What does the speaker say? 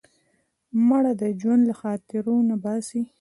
مړه د ژوند له خاطرو نه باسې